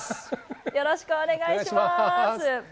よろしくお願いします。